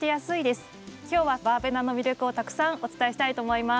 今日はバーベナの魅力をたくさんお伝えしたいと思います。